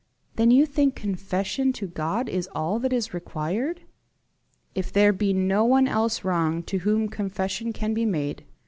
"Then you think confession to God is all that is required?" "If there be no one else wronged to whom confession can be made.